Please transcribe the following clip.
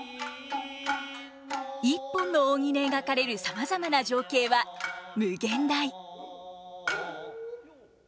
一本の扇で描かれるさまざまな情景は無限大。